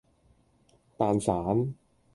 蛋散